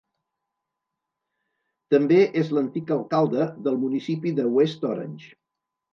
També és l'antic alcalde del municipi de West Orange.